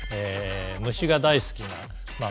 虫が大好きなまあ